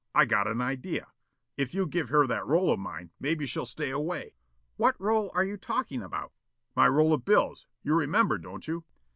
"I got an idea. If you give her that roll of mine, maybe she'll stay away." "What roll are you talking about?" "My roll of bills, you remember, don't you?"